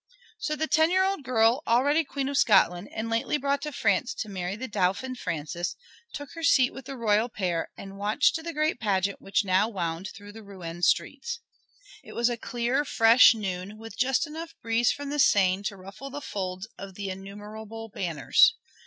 So the ten year old girl, already Queen of Scotland, and lately brought to France to marry the Dauphin Francis, took her seat with the royal pair, and watched the great pageant which now wound through the Rouen streets. It was a clear, fresh noon, with just enough breeze from the Seine to ruffle the folds of the innumerable banners.